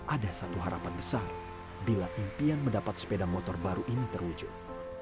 ada satu harapan besar bila impian mendapat sepeda motor baru ini terwujud